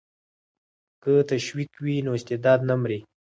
که تشویق وي نو استعداد نه مري.